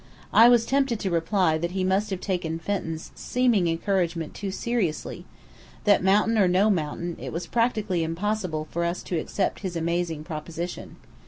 I was tempted to reply that he must have taken Fenton's seeming encouragement too seriously, that, mountain or no mountain, it was practically impossible for us to accept his amazing proposition.